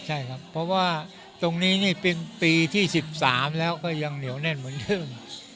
ใช่ครับเพราะว่าตรงนี้นี่เป็นปีที่๑๓แล้วก็ยังเหนียวแน่นเหมือนเดิม